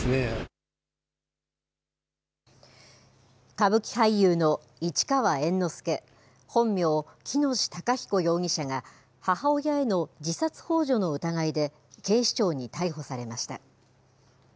歌舞伎俳優の市川猿之助、本名・喜熨斗孝彦容疑者が、母親への自殺ほう助の疑いで、警視庁に逮捕されました。